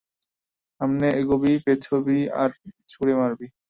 সামনে এগোবি, পেছাবি আর ছুড়ে মারবি।